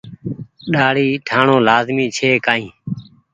ڏآڙي ٺآڻو لآزمي ڇي۔ ڪآئي۔